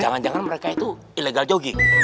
jangan jangan mereka itu ilegal jogging